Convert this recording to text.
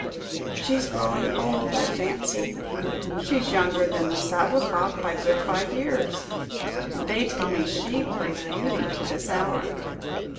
"She's growing old, I fancy." "She's younger than the Sabloukoff by five good years, and they tell me she plays Beauty to this hour."